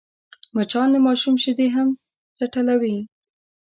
مچان د ماشوم شیدې هم چټلوي